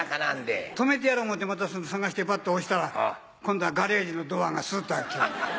止めてやろう思うてまた探してバッて押したら今度はガレージのドアがスッと開きよる。